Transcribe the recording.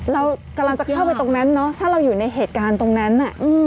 เรากำลังจะเข้าไปตรงนั้นเนอะถ้าเราอยู่ในเหตุการณ์ตรงนั้น